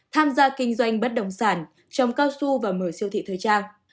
tham gia kinh doanh bất động sản trồng cao su và mở siêu thị thời trang